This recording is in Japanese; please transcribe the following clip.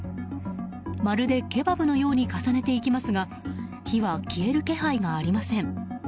まるでケバブのように重ねていきますが火は消える気配がありません。